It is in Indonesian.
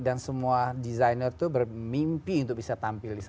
dan semua desainer itu bermimpi untuk bisa tampil di sana